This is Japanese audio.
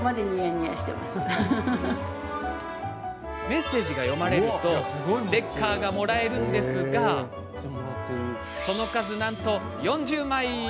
メッセージが読まれるとステッカーがもらえるのですがその数、なんと４０枚！